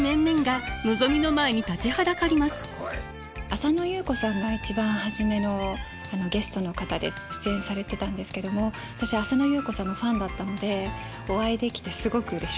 浅野ゆう子さんが一番初めのゲストの方で出演されてたんですけども私浅野ゆう子さんのファンだったのでお会いできてすごくうれしかったです。